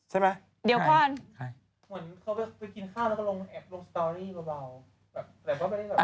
แบบแบบว่าไม่ได้แบบ